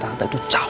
tante itu cahaya